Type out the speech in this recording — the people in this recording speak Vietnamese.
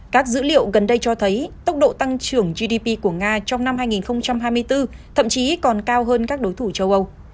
các dữ liệu gần đây cho thấy tốc độ tăng trưởng gdp của nga trong năm hai nghìn hai mươi bốn thậm chí còn cao hơn các đối thủ châu âu